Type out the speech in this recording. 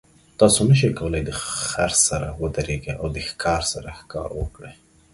تاسو نشئ کولی د خر سره ودریږئ او د ښکار سره ښکار وکړئ.